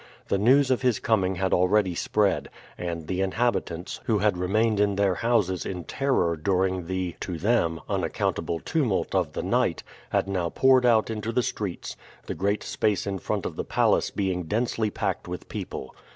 The news of his coming had already spread, and the inhabitants, who had remained in their houses in terror during the, to them, unaccountable tumult of the night, had now poured out into the streets, the great space in front of the palace being densely packed with people.